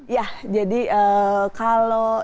ya jadi kalau ini adalah untuk yang